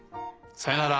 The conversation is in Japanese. さようなら。